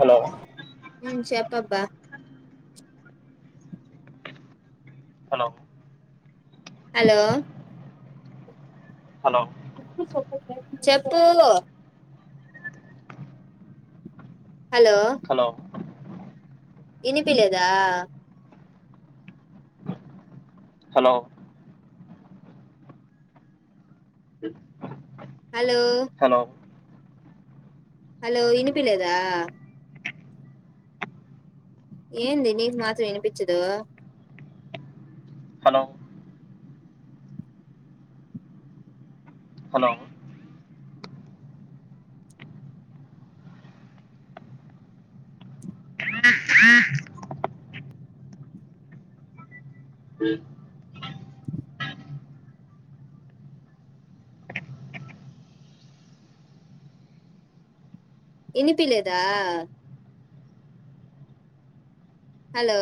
hello మ్ చెప్పబ్బా hello hello hello చెప్పు హలో హలో ఇనిపి లేదా హలో హలో హలో హలో ఇనిపి లేదా ఏంది నీకు మాత్రం వినిపించదు హలో హలో ఆ హ ఇనిపి లేదా హలో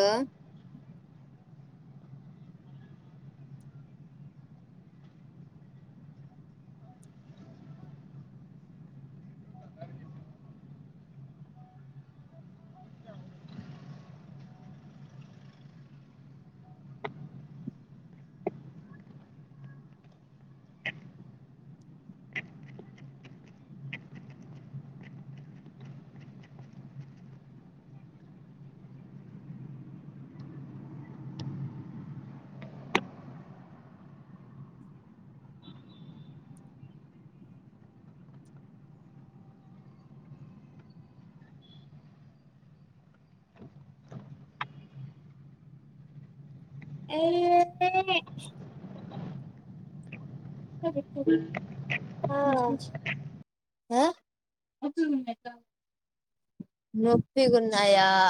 ఏ హ నొప్పి ఉన్నాయా